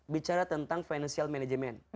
bicara tentang financial management